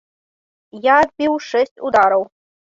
Я адбіў шэсць удараў.